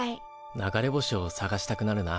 流れ星を探したくなるな。